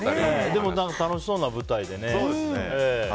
でも楽しそうな舞台でね。